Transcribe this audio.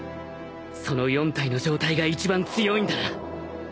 その４体の状態が一番強いんだな